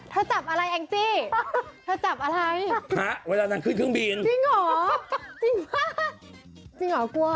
เธอจับอะไรเองจี้